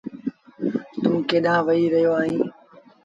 توٚنٚ ڪيڏآنٚ وهي رهيو اهينٚ